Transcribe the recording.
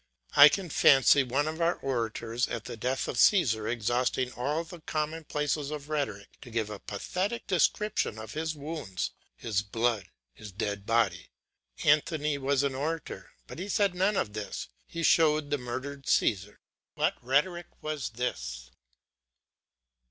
I can fancy one of our orators at the death of Caesar exhausting all the commonplaces of rhetoric to give a pathetic description of his wounds, his blood, his dead body; Anthony was an orator, but he said none of this; he showed the murdered Caesar. What rhetoric was this!